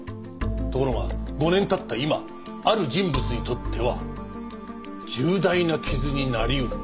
ところが５年経った今ある人物にとっては重大な傷になり得る。